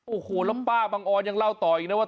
โอ้โหแล้วป้าบังออนยังเล่าต่ออีกนะว่า